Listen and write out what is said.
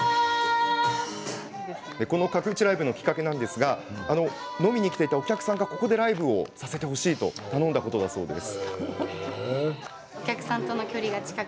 角打ちライブのきっかけは飲みに来ていたお客さんがここでライブをやらせてほしいと頼んだことだそうです。